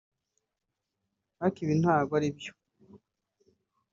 ariko ibi ntago aribyo